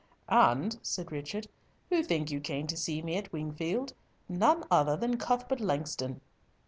"And," said Richard, "who think you came to see me at Wingfield? None other than Cuthbert Langston."